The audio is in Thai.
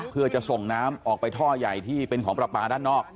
เพื่อจะส่งน้ำออกไปท่อใหญ่ที่เป็นของปลาปลาด้านนอก